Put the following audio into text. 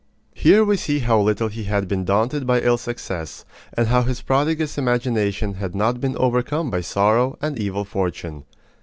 Here we see how little he had been daunted by ill success, and how his prodigious imagination had not been overcome by sorrow and evil fortune.